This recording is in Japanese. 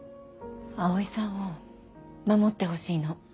葵さんを守ってほしいの。